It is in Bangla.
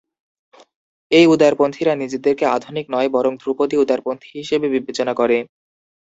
এই উদারপন্থীরা নিজেদেরকে আধুনিক নয় বরং ধ্রুপদী উদারপন্থী হিসেবে বিবেচনা করে।